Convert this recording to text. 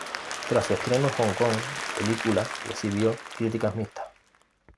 Tras su estreno en Hong Kong, la película recibió críticas mixtas.